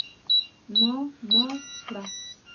ما معاف کړه!